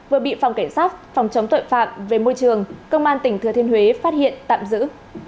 vừa bị phòng cảnh sát phòng chống tội phạm về môi trường công an tỉnh thừa thiên huế phát hiện tạm giữ